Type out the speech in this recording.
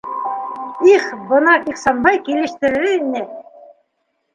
Их, бына Ихсанбай килештерер ине!